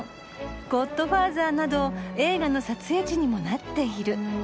『ゴッドファーザー』など映画の撮影地にもなっている」。